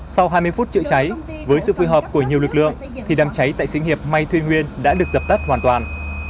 sau hai mươi phút chữa cháy với sự phù hợp của nhiều lực lượng thì đàm cháy tại xí nghiệp mai thuyên nguyên đã được dập tắt hoàn toàn